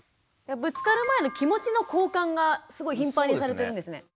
ぶつかる前の気持ちの交換がすごい頻繁にされてるんですね。